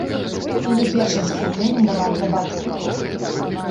Яе першым захапленнем была акрабатыка.